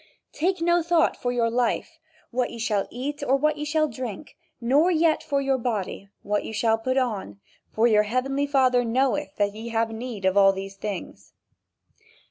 "Take no thought for your life, what ye shall eat or what ye shall drink, nor yet for your body, what ye shall put on.... For your heavenly Father knoweth that ye have need of all these things."